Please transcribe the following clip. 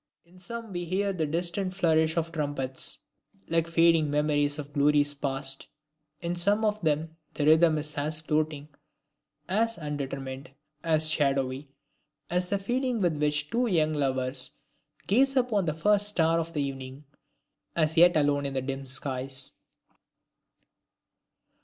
In some we hear the distant flourish of trumpets, like fading memories of glories past, in some of them, the rhythm is as floating, as undetermined, as shadowy, as the feeling with which two young lovers gaze upon the first star of evening, as yet alone in the dim skies.